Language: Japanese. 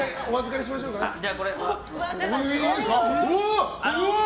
じゃあ、これ。